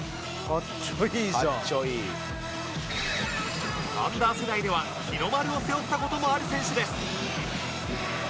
「かっちょいい」アンダー世代では日の丸を背負った事もある選手です